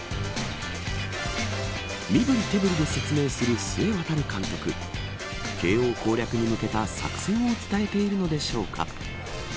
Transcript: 身ぶり手ぶりで説明する須江航監督慶応攻略に向けた作戦を伝えているのでしょうか。